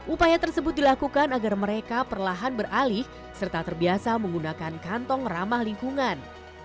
upaya tersebut dilakukan agar mereka perlahan beralih serta terbiasa menggunakan kantong ramah lingkungan